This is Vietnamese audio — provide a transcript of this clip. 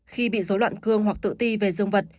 khi bị dối loạn cương hoặc tự ti về dương vật